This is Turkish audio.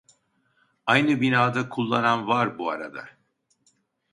Aynı binada kullanan var bu arada